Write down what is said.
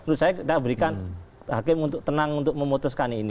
menurut saya kita berikan hakim untuk tenang untuk memutuskan ini